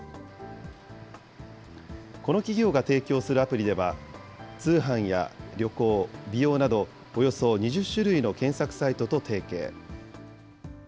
この企業が提供するアプリでは、通販や旅行、美容など、およそ２０種類の検索サイトと提携。